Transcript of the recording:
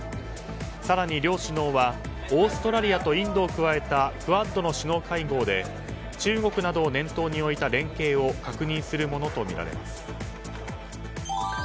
更に両首脳はオーストラリアとインドを加えたクアッドの首脳会合で中国などを念頭に置いた連携を確認するものとみられます。